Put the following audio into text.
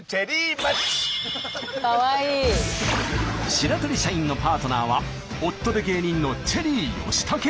白鳥社員のパートナーは夫で芸人のチェリー吉武。